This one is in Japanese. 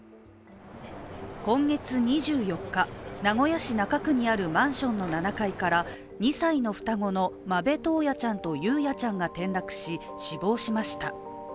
今月２４日、名古屋市中区にあるマンションの７階から２歳の双子の間部登也ちゃんと雄也ちゃんが転落し、死亡しました。